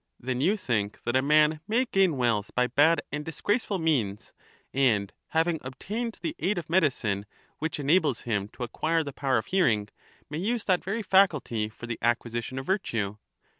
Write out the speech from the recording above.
Then you think that a man may gain wealth by bad and disgraceful means, and, having obtained the aid of medi cine which enables him to acquire the power of hearing, may use that very faculty for the acquisition of virtue?